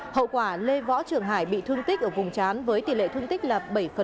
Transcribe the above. hậu quả lê võ trường hải bị thương tích ở vùng chán với tỷ lệ thương tích là bảy